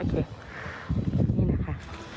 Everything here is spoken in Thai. โอเคนี่นะคะ